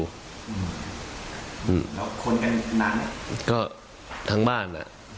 แล้วคนกันนานเนี่ยก็ทั้งบ้านนะครับ